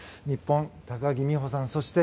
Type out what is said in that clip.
日本の高木美帆さん